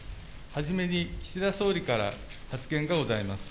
初めに、岸田総理から発言がございます。